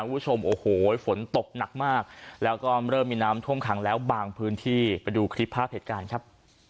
คุณผู้ชมโอ้โหฝนตกหนักมากแล้วก็เริ่มมีน้ำท่วมขังแล้วบางพื้นที่ไปดูคลิปภาพเหตุการณ์ครับ